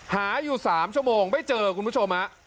หาอยู่๓ชั่วโมงไม่เจอคุณผู้ชมฮะ